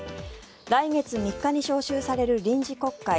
来月３日に召集される臨時国会。